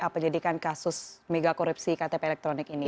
penyidikan kasus mega korupsi ktp elektronik ini